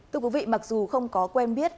tụi quý vị mặc dù không có quen biết